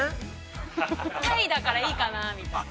◆タイだからいいかなみたいな。